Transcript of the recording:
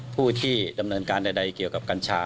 ผู้ที่ดำเนินการใดเกี่ยวกับกัญชา